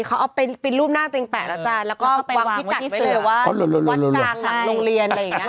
เขาเอาเสือไปจองไง